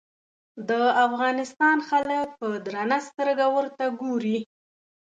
د افغانستان خلک په درنه سترګه ورته ګوري.